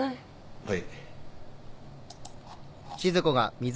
はい。